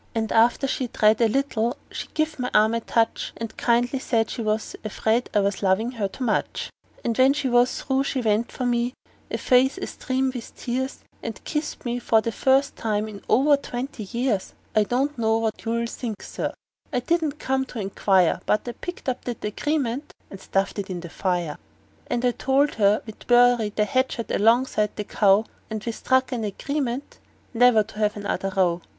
And after she'd read a little she give my arm a touch, And kindly said she was afraid I was 'lowin' her too much; But when she was through she went for me, her face a streamin' with tears, And kissed me for the first time in over twenty years! "AND KISSED ME FOR THE FIRST TIME IN OVER TWENTY YEARS!" I don't know what you'll think, Sir I didn't come to inquire But I picked up that agreement and stuffed it in the fire; And I told her we'd bury the hatchet alongside of the cow; And we struck an agreement never to have another row.